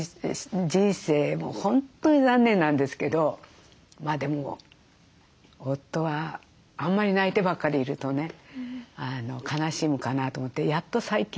もう本当に残念なんですけどでも夫はあんまり泣いてばっかりいるとね悲しむかなと思ってやっと最近。